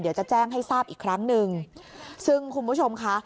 เดี๋ยวจะแจ้งให้ทราบอีกครั้งหนึ่งซึ่งคุณผู้ชมค่ะ